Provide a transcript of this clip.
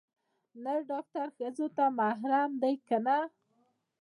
نر ډاکتر ښځو ته محرم ديه که نه.